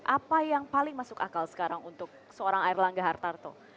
apa yang paling masuk akal sekarang untuk seorang erlangga hartarto